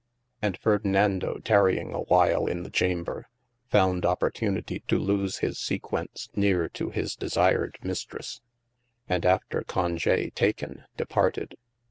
And Ferdinando tarying a while in the chamber, found oportunitie to loose his sequence neere too his desired Mistres : And after congi taken, departed.